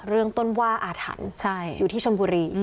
เรื่องต้นว่าอาถรรพ์อยู่ที่ชนบุรี